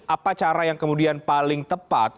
apa cara yang kemudian paling tepat